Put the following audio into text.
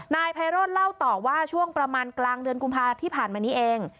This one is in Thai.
นายไพโรธเล่าต่อว่าช่วงประมาณกลางเดือนกุมภาที่ผ่านมานี้เอง